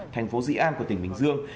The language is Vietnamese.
thành phố dĩ an của tỉnh bình dương